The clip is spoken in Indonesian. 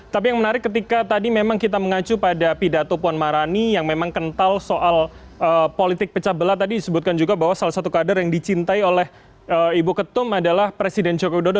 tapi yang menarik ketika tadi memang kita mengacu pada pidato puan marani yang memang kental soal politik pecah belah tadi disebutkan juga bahwa salah satu kader yang dicintai oleh ibu ketum adalah presiden jokowi dodo